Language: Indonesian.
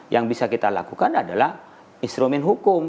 yang bisa kita lakukan adalah instrumen hukum